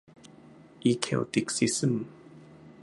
อิเคลติคซิสม์